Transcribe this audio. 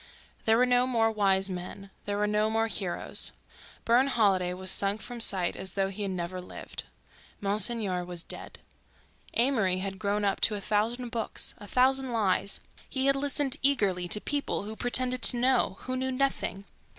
There were no more wise men; there were no more heroes; Burne Holiday was sunk from sight as though he had never lived; Monsignor was dead. Amory had grown up to a thousand books, a thousand lies; he had listened eagerly to people who pretended to know, who knew nothing.